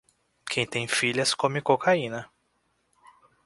Quem tem filhas come cocaína.